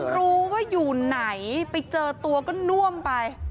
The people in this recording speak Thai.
รู้ว่าอยู่ไหนไปเจอตัวก็น่วมไป